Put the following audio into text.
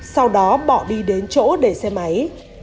sau đó bỏ đi đến chỗ để xem ấy